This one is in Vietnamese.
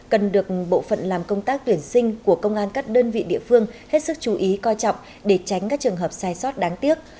cần được bộ phận làm công tác tuyển sinh của công an các đơn vị địa phương hết sức chú ý coi trọng để tránh các trường hợp sai sót đáng tiếc